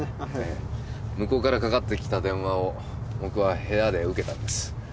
向こうからかかってきた電話を僕は部屋で受けたんです。